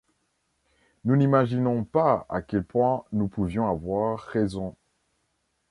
Nous n’imaginions pas à quel point nous pouvions avoir raison.